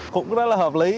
cũng rất là hợp lý